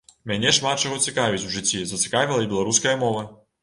Мяне шмат чаго цікавіць у жыцці, зацікавіла і беларуская мова.